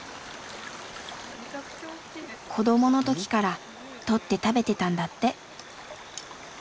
子どもの時から捕って食べてたんだって。